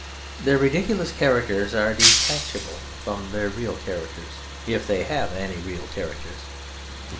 Their ridiculous characters are detachable from their real characters, if they have any real characters.